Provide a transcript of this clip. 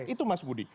itu mas budi